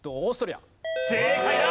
正解だ！